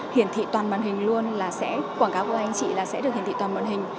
hiển thị toàn màn hình luôn là sẽ quảng cáo của anh chị là sẽ được hiển thị toàn màn hình